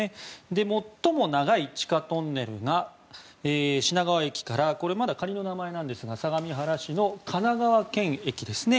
最も長い地下トンネルが品川駅から仮の名前なんですが相模原市の神奈川県駅ですね。